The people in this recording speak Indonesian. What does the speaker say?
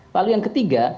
lalu yang ketiga